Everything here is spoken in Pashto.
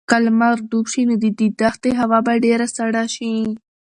که لمر ډوب شي نو د دې دښتې هوا به ډېره سړه شي.